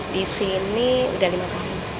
di sini udah lima tahun